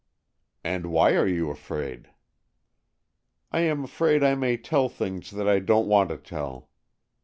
"And why are you afraid?" "I am afraid I may tell things that I don't want to tell."